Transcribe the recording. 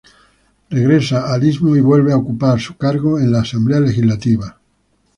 Regresa al Istmo y vuelve a ocupar su cargo en La Asamblea Legislativa.